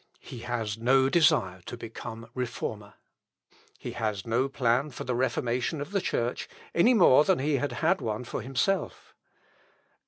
He has no desire to become Reformer. He has no plan for the reformation of the Church any more than he had had one for himself.